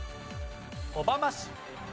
小浜市。